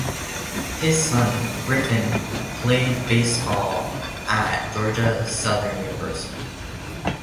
His son, Griffin, played baseball at Georgia Southern University.